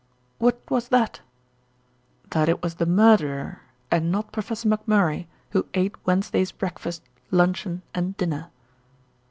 "What was that?" "That it was the murderer and not Professor McMurray who ate Wednesday's breakfast, luncheon and dinner."